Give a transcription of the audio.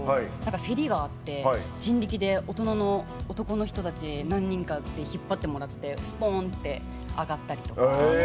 せりがあって人力で大人の男の人たち何人かで引っ張ってもらってスポンって上がったりとか。